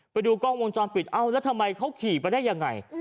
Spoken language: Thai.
ไปดูกล้องวงจรปิดเอ้าแล้วทำไมเขาขี่ไปได้ยังไง